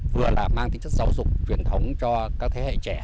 vừa là mang tính chất giáo dục truyền thống cho các thế hệ trẻ